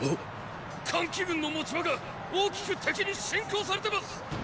桓騎軍の持ち場が大きく敵に侵攻されてます！